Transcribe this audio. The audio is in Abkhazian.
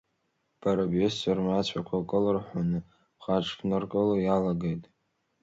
Бара бҩызцәа рмацәақәа кылырҳәҳәаны, бҳаҽԥныркыло иалагеит!